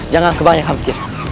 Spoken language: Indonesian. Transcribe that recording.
jangan kebanyakan pikir